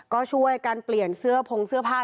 ก็ช่วยกันเปลี่ยนเสื้อพงเสื้อผ้า